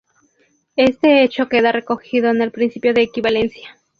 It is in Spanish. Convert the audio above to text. Este hecho queda recogido en el Principio de equivalencia.